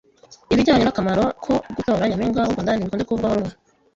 ibijyanye n’akamaro ko gutora Nyampinga w’u Rwanda ntibikunze kuvugwaho rumwe